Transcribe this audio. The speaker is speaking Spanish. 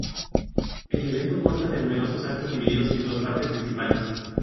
El evento consta de numerosos actos, divididos en dos partes principales.